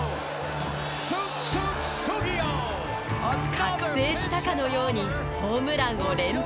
覚醒したかのようにホームランを連発。